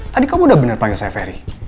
tadi kamu udah bener panggil saya ferry